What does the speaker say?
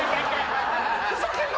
ふざけんな。